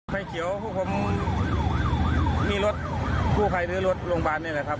ไฟเขียวพวกผมมีรถกู้ภัยหรือรถโรงพยาบาลนี่แหละครับ